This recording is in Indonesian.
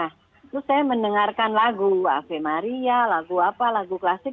nah itu saya mendengarkan lagu ave maria lagu apa lagu kelasnya